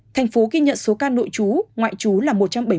thành phố ghi nhận số ca nội chú ngoại chú là một trăm bảy mươi một ca